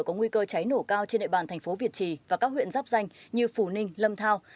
có nguy cơ cháy nổ cao trên địa bàn thành phố việt trì và các huyện giáp danh như phù ninh lâm thao